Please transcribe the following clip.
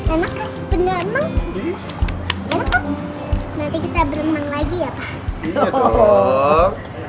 enak kan nanti kita berenang lagi ya pak